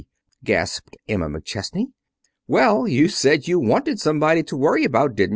gasped Emma McChesney. "Well, you said you wanted somebody to worry about, didn't you?"